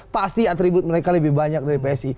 pasti atribut mereka lebih banyak dari psi